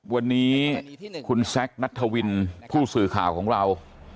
วันนี้คุณแซคนัทธวินผู้สื่อข่าวของเรา